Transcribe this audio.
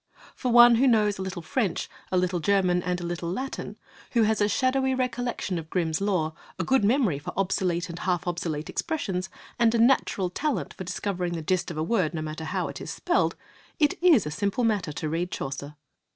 For one who knows a little French, a little Ger man, and a little Latin, who has a shadowy recollection of Grimm's Law, a good memory for obsolete and half obsolete expressions, and a natural talent for discovering the gist of a word, no matter how it is spelled, it is a simple matter to read Chaucer.